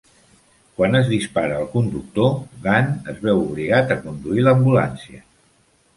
Quan es dispara al conductor, Gunn es veu obligat a conduir l'ambulància.